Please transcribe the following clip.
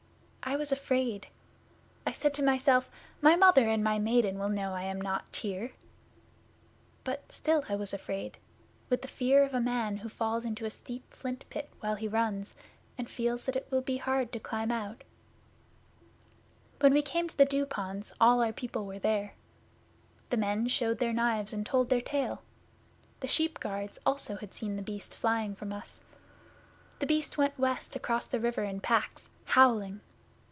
I was afraid. I said to myself, "My Mother and my Maiden will know I am not Tyr." But still I was afraid, with the fear of a man who falls into a steep flint pit while he runs, and feels that it will be hard to climb out. 'When we came to the Dew ponds all our people were there. The men showed their knives and told their tale. The sheep guards also had seen The Beast flying from us. The Beast went west across the river in packs howling!